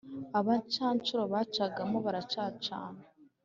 Abacanshuro bacanamo baracacana